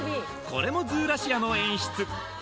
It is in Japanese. これもズーラシアの演出